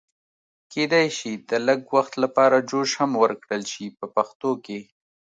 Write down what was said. کېدای شي د لږ وخت لپاره جوش هم ورکړل شي په پښتو کې.